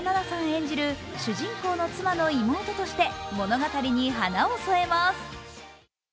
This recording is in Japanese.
演じる主人公の妻の妹として物語に花を添えます。